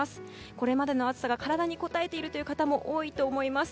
これまでの暑さが体にこたえているという方も多いと思います。